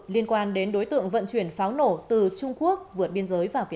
liên quan đến đối tượng vận chuyển pháo nổ từ trung quốc vượt biên giới